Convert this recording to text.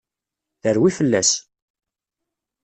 Terwi fell-as!